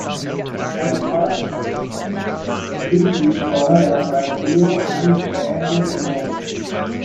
Her first four novels were published with cover art by Leo and Diane Dillon.